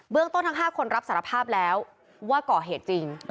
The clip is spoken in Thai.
เรื่องต้นทั้ง๕คนรับสารภาพแล้วว่าก่อเหตุจริง